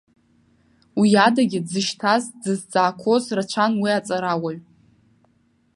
Уиадагьы дзышьҭаз, дзызҵаақәоз рацәан уи аҵарауаҩ.